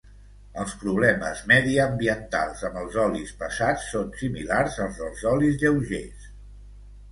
Els problemes mediambientals amb els olis pesats són similars als dels olis lleugers.